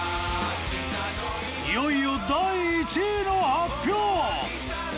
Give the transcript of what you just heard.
いよいよ第１位の発表！